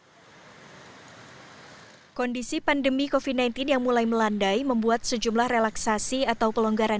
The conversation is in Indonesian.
hai kondisi pandemi kofi sembilan belas yang mulai melandai membuat sejumlah relaksasi atau pelonggaran